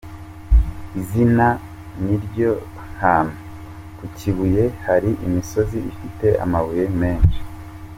izina niryo hantu: ku Kibuye hari imisozi ifite amabuye menshi.